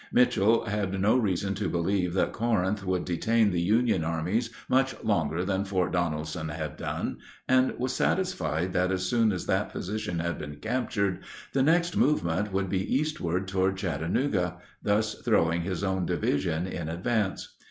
Mitchel had no reason to believe that Corinth would detain the Union armies much longer than Fort Donelson had done, and was satisfied that as soon as that position had been captured the next movement would be eastward toward Chattanooga, thus throwing his own division in advance.